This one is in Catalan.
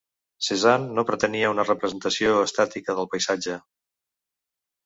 Cézanne no pretenia una representació estàtica del paisatge.